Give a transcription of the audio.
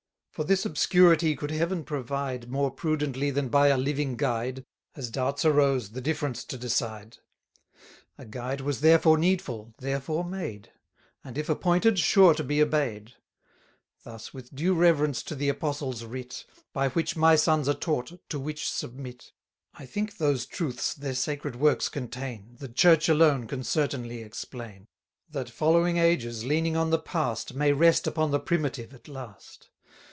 For this obscurity could Heaven provide More prudently than by a living guide, As doubts arose, the difference to decide? A guide was therefore needful, therefore made; And, if appointed, sure to be obey'd. 350 Thus, with due reverence to the Apostle's writ, By which my sons are taught, to which submit; I think those truths their sacred works contain, The Church alone can certainly explain; That following ages, leaning on the past, May rest upon the Primitive at last.